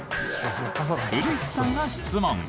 古市さんが質問！